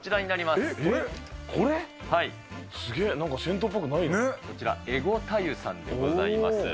すげー、なんか銭湯っぽくなこちら、えごた湯さんでございます。